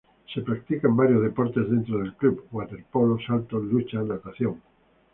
Se practican varios deportes dentro del club: waterpolo, saltos, lucha, natación...